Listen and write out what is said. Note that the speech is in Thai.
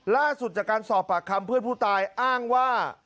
ล่าสุดจากการสอบปากคำเพื่อนผู้ตายอ้างว่า